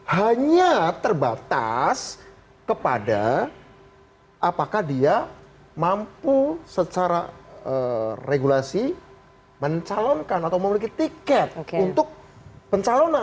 hanya terbatas kepada apakah dia mampu secara regulasi mencalonkan atau memiliki tiket untuk pencalonan